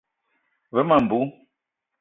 Ve ma mbou.